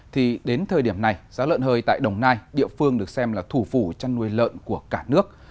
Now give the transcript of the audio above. thì đến thời điểm này giá lợn hơi tại đồng nai địa phương được xem là thủ phủ chăn nuôi lợn của cả nước